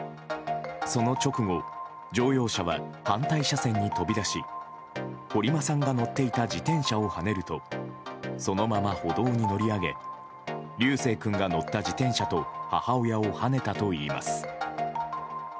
その直後、乗用車は反対車線に飛び出し堀間さんが乗っていた自転車をはねるとそのまま歩道に乗り上げ琉正君が乗った自転車と母親をはねたといいます。